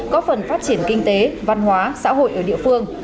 có phần phát triển kinh tế văn hóa xã hội ở địa phương